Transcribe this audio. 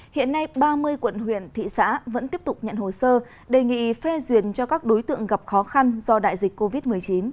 hiện nay ba mươi quận huyện thị xã vẫn tiếp tục nhận hồ sơ đề nghị phê duyệt cho các đối tượng gặp khó khăn do đại dịch covid một mươi chín